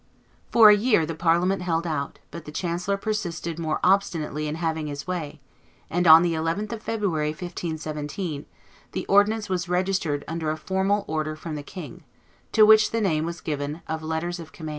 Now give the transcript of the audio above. For a year the Parliament held out; but the chancellor persisted more obstinately in having his way, and, on the 11th of February, 1517, the ordinance was registered under a formal order from the king, to which the name was given of "letters of command."